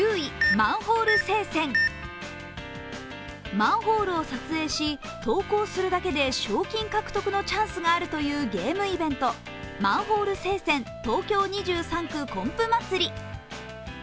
マンホールを撮影し、投稿するだけで賞金獲得のチャンスがあるというゲームイベント、マンホール聖戦東京２３区コンプ祭り。